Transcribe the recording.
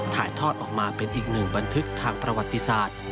ถ่ายทอดออกมาเป็นอีกหนึ่งบันทึกทางประวัติศาสตร์